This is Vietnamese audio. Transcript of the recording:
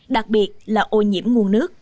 đặc biệt là ô nhiễm nguồn nước